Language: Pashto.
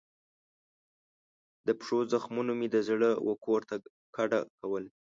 د پښو زخمونو مې د زړه وکور ته کډه کول